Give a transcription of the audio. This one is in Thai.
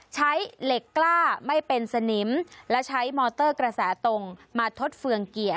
ใช้เหล็กกล้าไม่เป็นสนิมและใช้มอเตอร์กระแสตรงมาทดเฟืองเกียร์